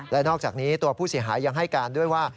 และนอกจากนี้ตัวผู้เสียหายยังให้การด้วยว่า